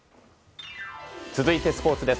続いて、スポーツです。